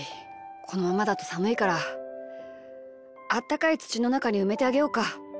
このままだとさむいからあったかいつちのなかにうめてあげようか。